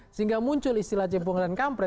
sehingga muncul istilah jempongan dan kampret